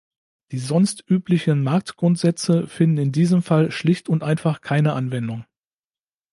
Die sonst üblichen Marktgrundsätze finden in diesem Fall schlicht und einfach keine Anwendung.